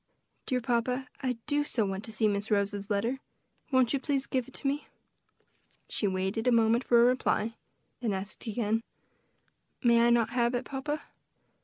"Dear papa, I do so want to see Miss Rose's letter; won't you please give it to me?" She waited a moment for a reply; then asked again, "May I not have it, papa?"